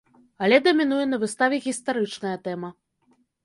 Але дамінуе на выставе гістарычная тэма.